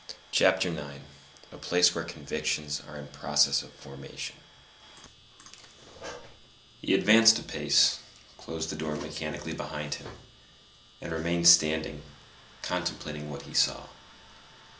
CHAPTER IX—A PLACE WHERE CONVICTIONS ARE IN PROCESS OF FORMATION He advanced a pace, closed the door mechanically behind him, and remained standing, contemplating what he saw.